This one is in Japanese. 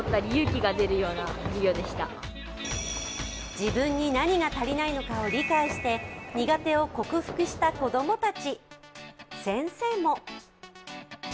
自分に何が足りないのかを理解して苦手を克服した子供たち。